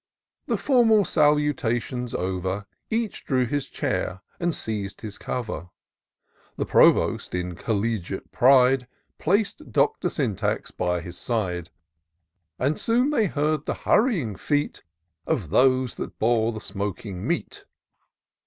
The formal salutations over. Each drew his chair and seized his cover. The Provost, in collegiate pride, Plac'd Doctor Syntax by his side ; IN SEARCH OF THE PICTURESQUE. 53 And soon they heard the hurrying feet Of those that bore the smoking meat.